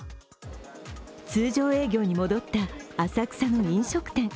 通常営業に戻った浅草の飲食店。